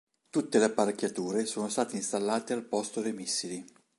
Tutte le apparecchiature sono state installate al posto dei missili.